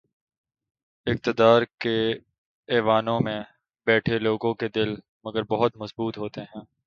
اقتدار کے ایوانوں میں بیٹھے لوگوں کے دل، مگر بہت مضبوط ہوتے ہیں۔